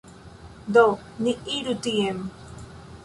Do, ni iru tien